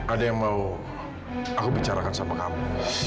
ada yang mau aku bicarakan sama kamu